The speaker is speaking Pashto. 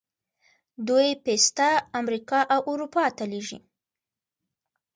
دوی پسته امریکا او اروپا ته لیږي.